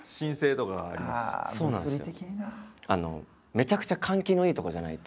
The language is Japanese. めちゃくちゃ換気のいい所じゃないと。